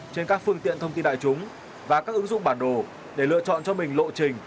trên các phương tiện thông tin đại chúng và các ứng dụng bản đồ để lựa chọn cho mình lộ trình